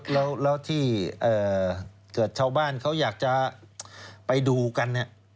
แล้วที่เจ้าบ้านเขาอยากจะไปดูกัน